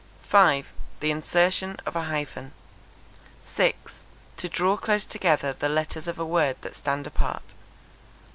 5. The insertion of a hyphen. 6. To draw close together the letters of a word that stand apart.